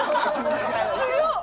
強っ！